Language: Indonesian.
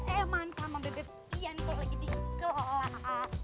eh mantap sama bebek ian kalau lagi dikelak